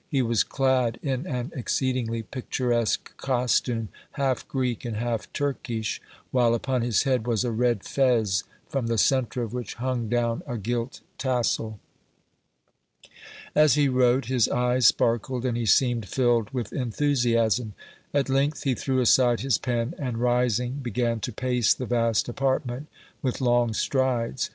He was clad in an exceedingly picturesque costume, half Greek and half Turkish, while upon his head was a red fez from the centre of which hung down a gilt tassel. As he wrote his eyes sparkled and he seemed filled with enthusiasm. At length he threw aside his pen, and rising began to pace the vast apartment with long strides.